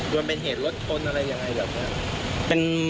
รวมเป็นเหตุรถชนอะไรอย่างไรแบบนั้น